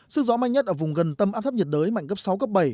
sức gió mạnh nhất ở vùng gần tâm áp thấp nhiệt đới mạnh cấp sáu cấp bảy